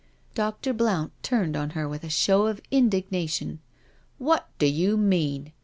*' Dr. Blount turned on her with a show of indignation. " What do you mean?